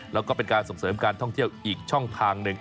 แล้วก็เป็นการส่งเสริมการท่องเที่ยวอีกช่องทางหนึ่ง